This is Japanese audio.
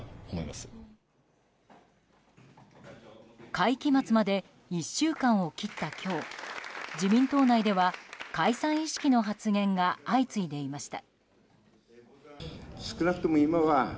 会期末まで１週間を切った今日自民党内では解散意識の発言が相次いでいました。